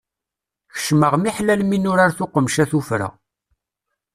Kecmeɣ miḥlal mi nurar tuqemca tuffra.